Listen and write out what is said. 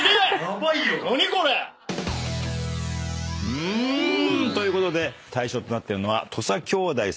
うーん！ということで対象となってるのは土佐兄弟さんです。